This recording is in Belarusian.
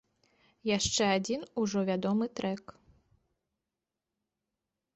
Яшчэ адзін ужо вядомы трэк.